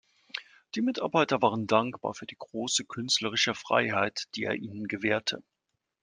Die Mitarbeiter waren dankbar für die große künstlerische Freiheit, die er ihnen gewährte.